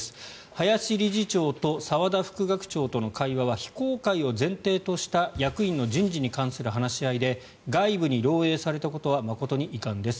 林理事長と澤田副学長との会話は非公開を前提とした役員の人事に関する話し合いで外部に漏えいされたことは誠に遺憾です